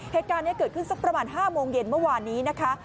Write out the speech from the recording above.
เหตุการณ์นี้เกิดขึ้นสักประมาณ๕โมงเย็นเมื่อวานนี้นะคะ